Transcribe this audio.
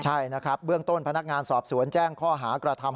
ใช่นะครับเบื้องต้นพนักงานสอบสวนแจ้งข้อหากระทำ